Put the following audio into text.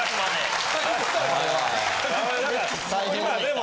今でも。